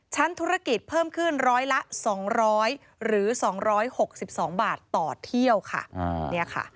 ชั้นธุรกิจเพิ่มขึ้นร้อยละ๒๐๐หรือ๒๖๒บาทต่อเที่ยวค่ะ